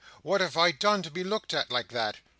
what have I done to be looked at, like that?"